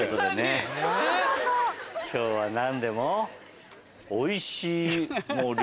今日は何でも。